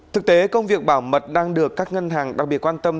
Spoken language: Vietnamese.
thực tế công việc bảo mật đang được các ngân hàng đặc biệt quan tâm